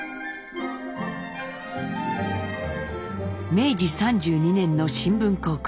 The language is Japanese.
明治３２年の新聞広告。